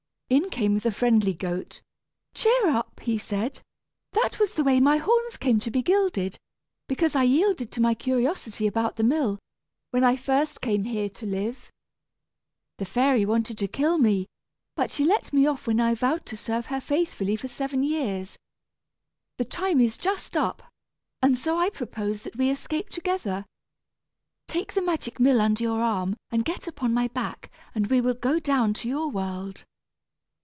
In came the friendly goat. "Cheer up," said he. "That was the way my horns came to be gilded, because I yielded to my curiosity about the mill, when I first came here to live. The fairy wanted to kill me, but she let me off when I vowed to serve her faithfully for seven years. The time is just up, and so I propose that we escape together. Take the magic mill under your arm and get upon my back, and we will go down to your world."